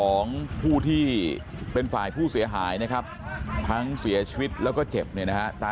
ของผู้ที่เป็นฝ่ายผู้เสียหายนะครับทั้งเสียชีวิตแล้วก็เจ็บเนี่ยนะฮะตา